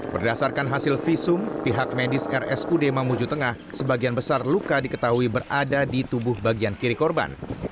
berdasarkan hasil visum pihak medis rsud mamuju tengah sebagian besar luka diketahui berada di tubuh bagian kiri korban